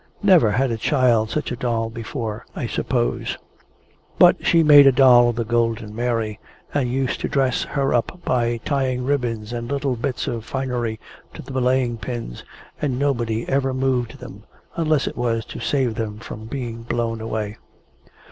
Never had a child such a doll before, I suppose; but she made a doll of the Golden Mary, and used to dress her up by tying ribbons and little bits of finery to the belaying pins; and nobody ever moved them, unless it was to save them from being blown away.